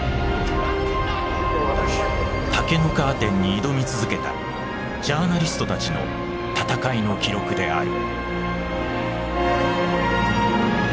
「竹のカーテン」に挑み続けたジャーナリストたちの闘いの記録である。